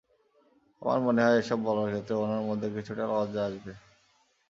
আমার মনে হয়, এসব বলার ক্ষেত্রে ওনার মধ্যে কিছুটা লজ্জা আসবে।